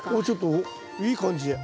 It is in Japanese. ちょっといい感じ。